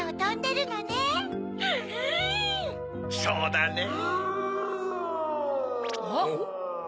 そうだねぇ。